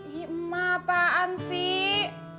ya emang apaan sih